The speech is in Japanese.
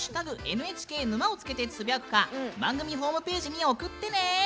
「＃ＮＨＫ沼」をつけてつぶやくか番組ホームページに送ってね。